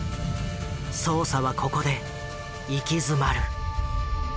捜査はここで行き詰まる。